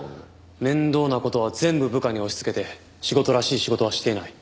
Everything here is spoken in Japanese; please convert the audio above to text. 面倒な事は全部部下に押し付けて仕事らしい仕事はしていない。